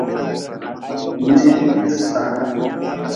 Mee be sa.